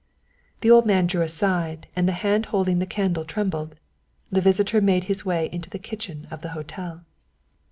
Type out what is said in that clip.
The old man drew aside, and the hand holding the candle trembled. The visitor made his way into the kitchen of the hotel.